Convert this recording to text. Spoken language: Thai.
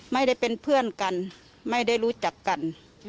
ไม่ได้เป็นเพื่อนกันไม่ได้รู้จักกัน